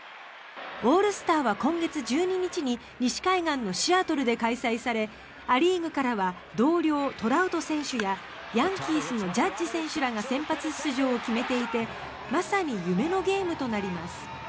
オールスターは今月１２日に西海岸のシアトルで開催されア・リーグからは同僚、トラウト選手やヤンキースのジャッジ選手らが先発出場を決めていてまさに夢のゲームとなります。